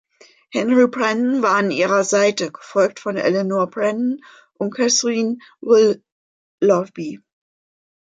Henry Brandon war an ihrer Seite, gefolgt von Eleanor Brandon und Katherine Willoughby.